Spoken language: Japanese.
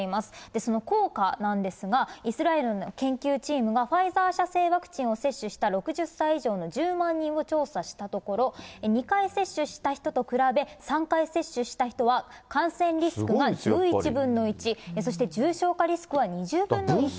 その効果なんですが、イスラエルの研究チームがファイザー社製ワクチンを接種した６０歳以上の１０万人を調査したところ、２回接種した人と比べ、３回接種した人は、感染リスクが１１分の１、そして重症化リスクは２０分の１と。